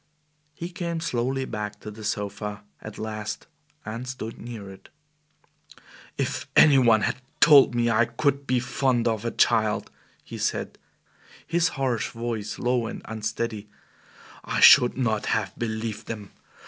He came slowly back to the sofa, at last, and stood near it. "If any one had told me I could be fond of a child," he said, his harsh voice low and unsteady, "I should not have believed them.